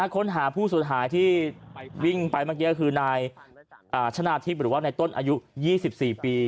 ค้นหาผู้สูญหายที่วิ่งไปเมื่อกี้ก็คือนายชนะทิพย์หรือว่าในต้นอายุ๒๔ปี